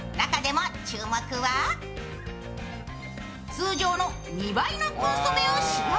通常の２倍のコンソメを使用。